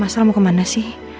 masa allah mau kemana sih